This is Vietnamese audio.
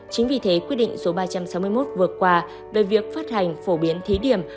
chính vì thế quyết định số ba trăm sáu mươi một vừa qua về việc phát hành phổ biến thí điểm